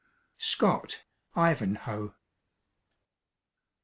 Scott: "Ivanhoe."